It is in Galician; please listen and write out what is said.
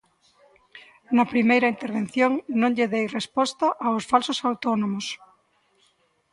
Na primeira intervención non lle dei resposta aos falsos autónomos.